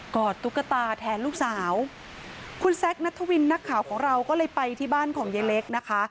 อดตุ๊กตาแทนลูกสาวคุณแซคนัทวินนักข่าวของเราก็เลยไปที่บ้านของยายเล็กนะคะ